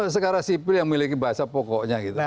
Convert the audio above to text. sekarang sipil yang memiliki bahasa pokoknya gitu